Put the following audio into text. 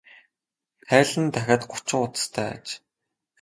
Тайлан нь дахиад гучин хуудастай аж.